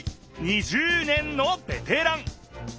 ２０年のベテラン。